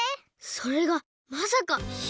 それがまさか姫？